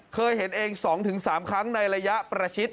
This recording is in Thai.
เคยเห็นเอง๒๓ครั้งในระยะประชิด